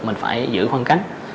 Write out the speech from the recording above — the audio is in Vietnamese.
mình phải giữ khoảng cách